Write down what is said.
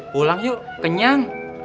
pulang yuk kenyang